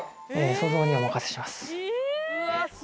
想像にお任せします。